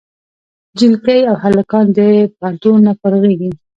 جینکۍ او هلکان د پوهنتون نه فارغېږي